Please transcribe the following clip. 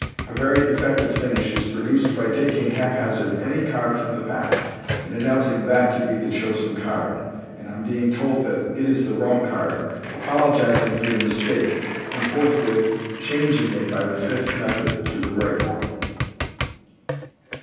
A very MODERN MAGIC. effective finish is produced by taking haphazard any caid from the pack, and announcing that to be the chosen card, and on being told that it is the wrong card, apologizing for your mistake, and forthwith "changing " it by the fifth method {see page 3a) to the right one.